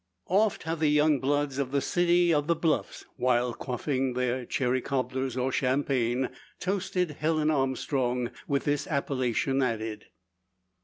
Oft have the young "bloods" of the "City of the Bluffs," while quaffing their sherry cobblers, or champagne, toasted Helen Armstrong, with this appellation added.